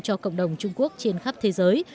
cho cộng đồng trung quốc trên khắp thế giới